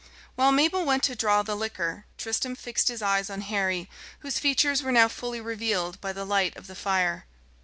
While Mabel went to draw the liquor, Tristram fixed his eyes on Harry, whose features were now fully revealed by the light of the fire.